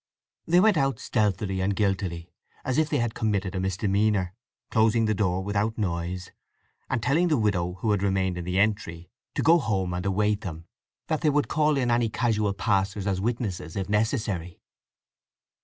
They went out stealthily and guiltily, as if they had committed a misdemeanour, closing the door without noise, and telling the widow, who had remained in the entry, to go home and await them; that they would call in any casual passers as witnesses, if necessary.